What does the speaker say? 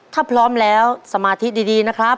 ถ้าพร้อมแล้วสมาธิดีนะครับ